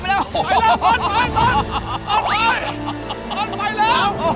ไปเร็วพอตไป